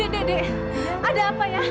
dede ada apa ya